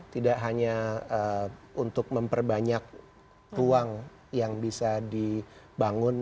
tidak hanya untuk memperbanyak ruang yang bisa dibangun